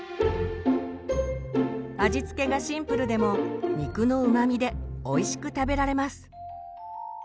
味付けがシンプルでも肉のうまみでおいしく食べられます。